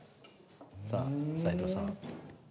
さあ齊藤さん。